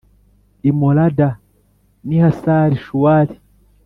i Molada n i Hasari Shuwali